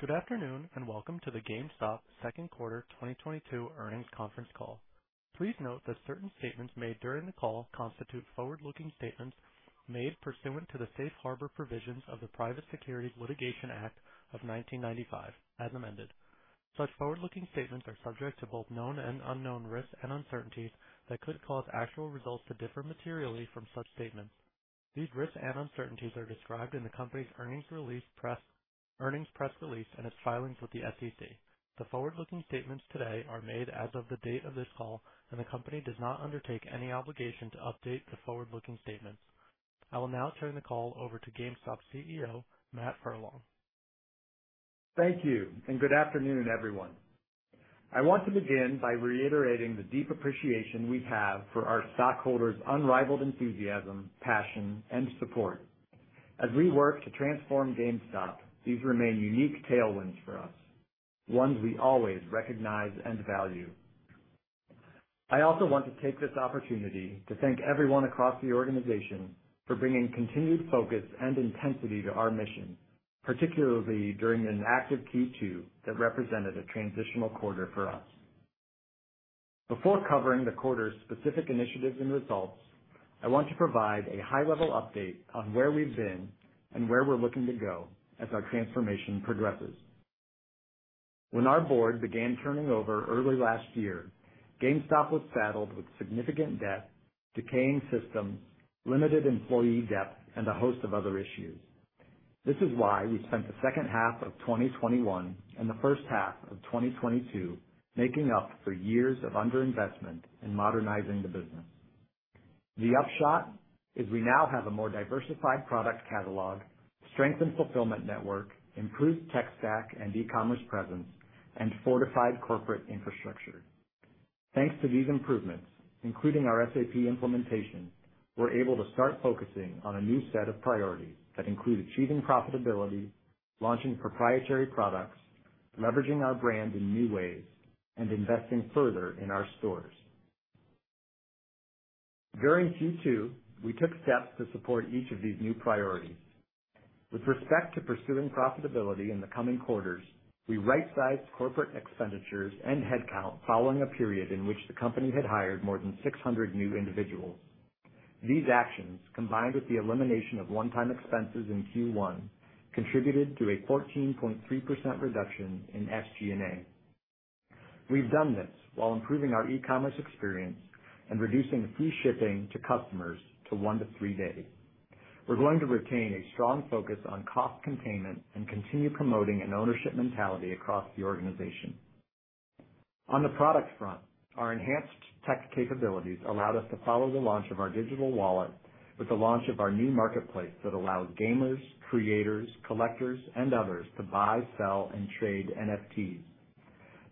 Good afternoon, and welcome to the GameStop second quarter 2022 earnings conference call. Please note that certain statements made during the call constitute forward-looking statements made pursuant to the safe harbor provisions of the Private Securities Litigation Reform Act of 1995, as amended. Such forward-looking statements are subject to both known and unknown risks and uncertainties that could cause actual results to differ materially from such statements. These risks and uncertainties are described in the company's earnings release and press release and its filings with the SEC. The forward-looking statements today are made as of the date of this call, and the company does not undertake any obligation to update the forward-looking statements. I will now turn the call over to GameStop CEO Matt Furlong. Thank you, and good afternoon, everyone. I want to begin by reiterating the deep appreciation we have for our stockholders' unrivaled enthusiasm, passion, and support. As we work to transform GameStop, these remain unique tailwinds for us, ones we always recognize and value. I also want to take this opportunity to thank everyone across the organization for bringing continued focus and intensity to our mission, particularly during an active Q2 that represented a transitional quarter for us. Before covering the quarter's specific initiatives and results, I want to provide a high-level update on where we've been and where we're looking to go as our transformation progresses. When our board began turning over early last year, GameStop was saddled with significant debt, decaying systems, limited employee depth, and a host of other issues. This is why we spent the second half of 2021 and the first half of 2022 making up for years of underinvestment in modernizing the business. The upshot is we now have a more diversified product catalog, strengthened fulfillment network, improved tech stack and e-commerce presence, and fortified corporate infrastructure. Thanks to these improvements, including our SAP implementation, we're able to start focusing on a new set of priorities that include achieving profitability, launching proprietary products, leveraging our brand in new ways, and investing further in our stores. During Q2, we took steps to support each of these new priorities. With respect to pursuing profitability in the coming quarters, we right-sized corporate expenditures and headcount following a period in which the company had hired more than 600 new individuals. These actions, combined with the elimination of one-time expenses in Q1, contributed to a 14.3% reduction in SG&A. We've done this while improving our e-commerce experience and reducing free shipping to customers to one to three days. We're going to retain a strong focus on cost containment and continue promoting an ownership mentality across the organization. On the product front, our enhanced tech capabilities allowed us to follow the launch of our digital wallet with the launch of our new marketplace that allowed gamers, creators, collectors, and others to buy, sell, and trade NFTs.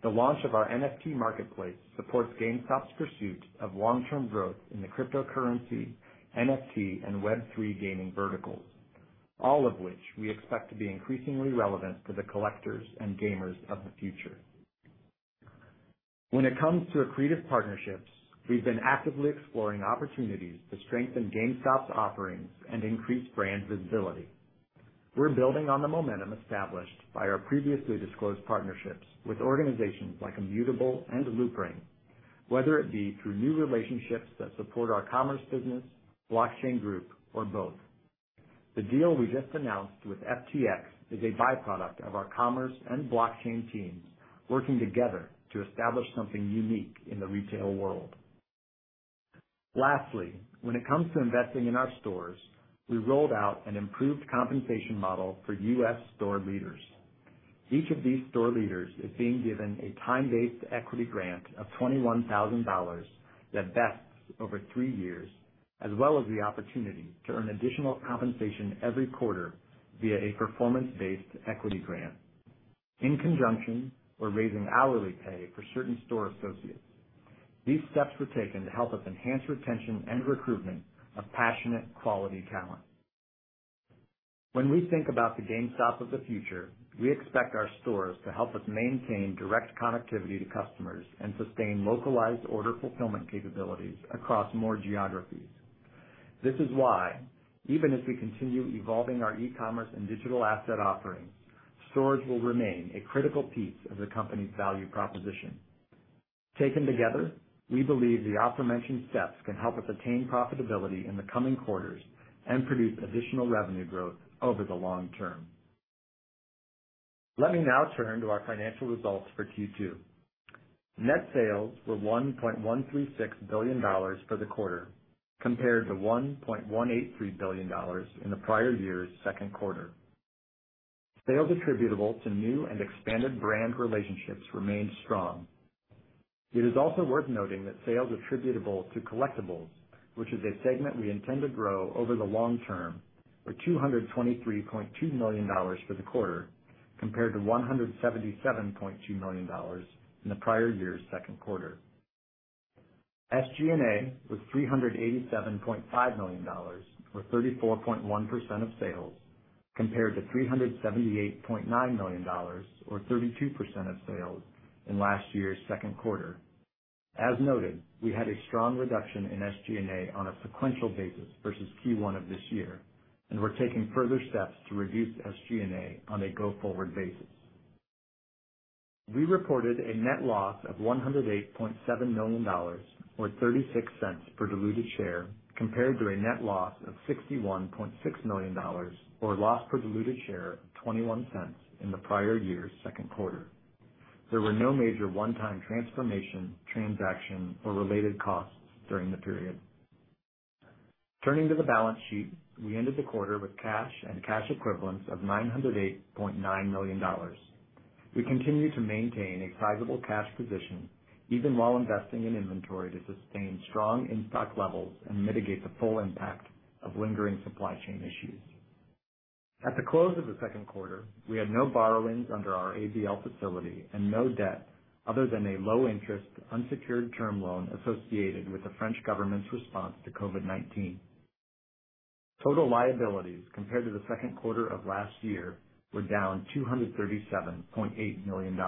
The launch of our NFT marketplace supports GameStop's pursuit of long-term growth in the cryptocurrency, NFT, and Web3 gaming verticals, all of which we expect to be increasingly relevant to the collectors and gamers of the future. When it comes to accretive partnerships, we've been actively exploring opportunities to strengthen GameStop's offerings and increase brand visibility. We're building on the momentum established by our previously disclosed partnerships with organizations like Immutable and Loopring, whether it be through new relationships that support our commerce business, blockchain group, or both. The deal we just announced with FTX is a byproduct of our commerce and blockchain teams working together to establish something unique in the retail world. Lastly, when it comes to investing in our stores, we rolled out an improved compensation model for U.S. store leaders. Each of these store leaders is being given a time-based equity grant of $21,000 that vests over three years, as well as the opportunity to earn additional compensation every quarter via a performance-based equity grant. In conjunction, we're raising hourly pay for certain store associates. These steps were taken to help us enhance retention and recruitment of passionate, quality talent. When we think about the GameStop of the future, we expect our stores to help us maintain direct connectivity to customers and sustain localized order fulfillment capabilities across more geographies. This is why, even as we continue evolving our e-commerce and digital asset offerings, stores will remain a critical piece of the company's value proposition. Taken together, we believe the aforementioned steps can help us attain profitability in the coming quarters and produce additional revenue growth over the long term. Let me now turn to our financial results for Q2. Net sales were $1.136 billion for the quarter, compared to $1.183 billion in the prior year's second quarter. Sales attributable to new and expanded brand relationships remained strong. It is also worth noting that sales attributable to collectibles, which is a segment we intend to grow over the long term, were $223.2 million for the quarter, compared to $177.2 million in the prior year's second quarter. SG&A was $387.5 million, or 34.1% of sales, compared to $378.9 million, or 32% of sales, in last year's second quarter. As noted, we had a strong reduction in SG&A on a sequential basis versus Q1 of this year, and we're taking further steps to reduce SG&A on a go-forward basis. We reported a net loss of $108.7 million, or 36 cents per diluted share, compared to a net loss of $61.6 million or loss per diluted share of 21 cents in the prior year's second quarter. There were no major one-time transformation, transaction, or related costs during the period. Turning to the balance sheet, we ended the quarter with cash and cash equivalents of $908.9 million. We continue to maintain a sizable cash position even while investing in inventory to sustain strong in-stock levels and mitigate the full impact of lingering supply chain issues. At the close of the second quarter, we had no borrowings under our ABL facility and no debt other than a low-interest unsecured term loan associated with the French government's response to COVID-19. Total liabilities compared to the second quarter of last year were down $237.8 million.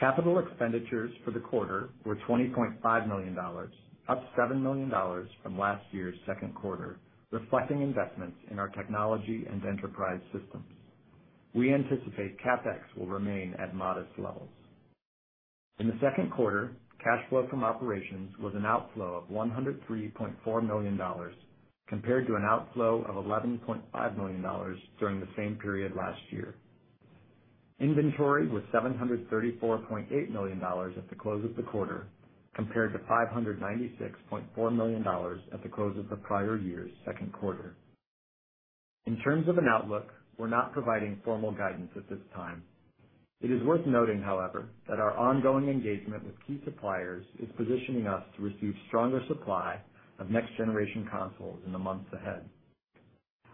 Capital expenditures for the quarter were $20.5 million, up $7 million from last year's second quarter, reflecting investments in our technology and enterprise systems. We anticipate CapEx will remain at modest levels. In the second quarter, cash flow from operations was an outflow of $103.4 million, compared to an outflow of $11.5 million during the same period last year. Inventory was $734.8 million at the close of the quarter, compared to $596.4 million at the close of the prior year's second quarter. In terms of an outlook, we're not providing formal guidance at this time. It is worth noting, however, that our ongoing engagement with key suppliers is positioning us to receive stronger supply of next-generation consoles in the months ahead.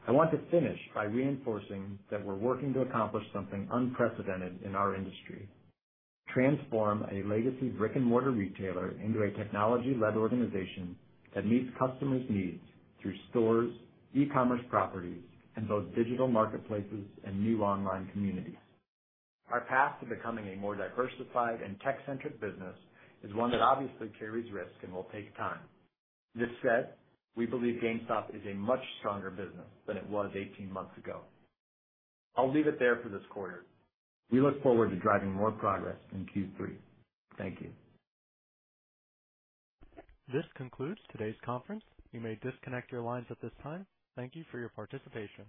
I want to finish by reinforcing that we're working to accomplish something unprecedented in our industry. Transform a legacy brick-and-mortar retailer into a technology-led organization that meets customers' needs through stores, e-commerce properties in both digital marketplaces and new online communities. Our path to becoming a more diversified and tech-centric business is one that obviously carries risk and will take time. This said, we believe GameStop is a much stronger business than it was eighteen months ago. I'll leave it there for this quarter. We look forward to driving more progress in Q3. Thank you. This concludes today's conference. You may disconnect your lines at this time. Thank you for your participation.